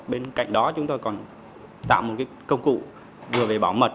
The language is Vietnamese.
bên cạnh đó chúng tôi còn tạo một công cụ vừa về bảo mật